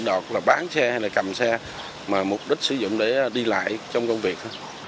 đoạt là bán xe hay là cầm xe mà mục đích sử dụng để đi lại trong công việc